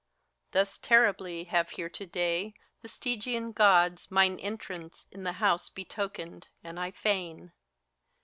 Thus terribly have here to day the Stygian Gods Mine entrance in the house betokened, and I fain.